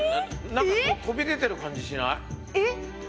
何か飛び出てる感じしない？え！？